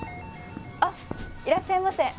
あっいらっしゃいませ。